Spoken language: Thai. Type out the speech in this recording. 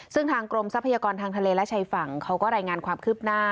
ซึ่งทางกรมทรัพยากรทางทะเลและชายฝั่งเขาก็รายงานความคืบหน้า